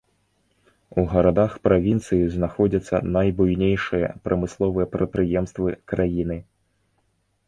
У гарадах правінцыі знаходзяцца найбуйнейшыя прамысловыя прадпрыемствы краіны.